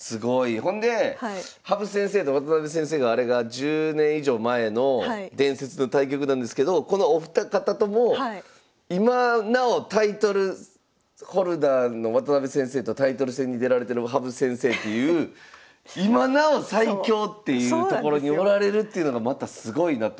ほんで羽生先生と渡辺先生のあれが１０年以上前の伝説の対局なんですけどこのお二方とも今なおタイトルホルダーの渡辺先生とタイトル戦に出られてる羽生先生という今なお最強っていうところにおられるっていうのがまたすごいなと思います。